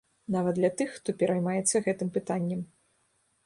Нават для тых, хто пераймаецца гэтым пытаннем.